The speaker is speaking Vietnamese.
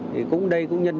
thì cũng đây cũng nhân đại